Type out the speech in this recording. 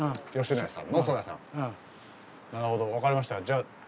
なるほど分かりました。